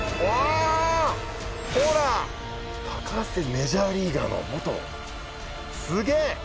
メジャーリーガーの元すげえ！